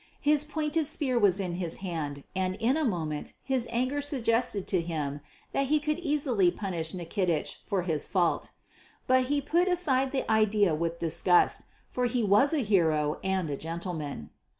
His pointed spear was in his hand, and in a moment his anger suggested to him that he could easily punish Nikitich for his fault. But he put aside the idea with disgust, for he was a hero and a gentleman.